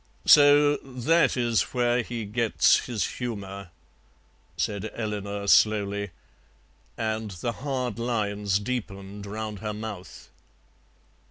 "So that is where he gets his humour," said Eleanor slowly, and the hard lines deepened round her mouth.